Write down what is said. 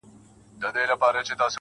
حتمآ به ټول ورباندي وسوځيږي.